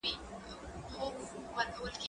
زه اوږده وخت د لوبو لپاره وخت نيسم وم!.